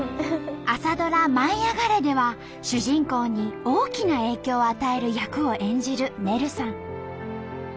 朝ドラ「舞いあがれ！」では主人公に大きな影響を与える役を演じるねるさん。